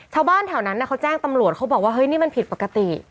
ชาวบ้านแถวนั้นเขาแจ้งตำรวจเขาบอกว่าเฮ้ยนี่มันผิดปกติ